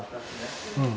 うん。